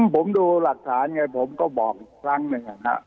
ผมดูหลักฐานไงผมก็บอกอีกครั้งหนึ่ง